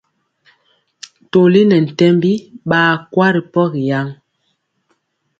Toli nɛ ntɛmbi ɓaa kwa ri pogi yaŋ.